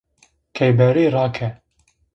Keyberî rake!